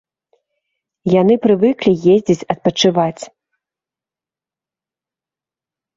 Яны прывыклі ездзіць адпачываць.